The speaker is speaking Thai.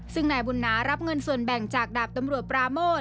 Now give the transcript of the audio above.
ซึ่งนายบุญนารับเงินส่วนแบ่งจากดาบตำรวจปราโมท